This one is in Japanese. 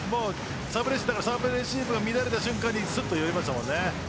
サーブレシーブが乱れた瞬間にすっと入れました。